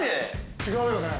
違うよね。